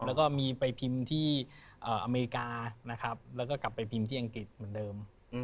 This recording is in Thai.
แล้วก็มีไปพิมพ์ที่อเมริกานะครับแล้วก็กลับไปพิมพ์ที่อังกฤษเหมือนเดิม